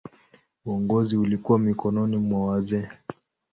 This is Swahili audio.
Uongozi ulikuwa mikononi mwa wazee.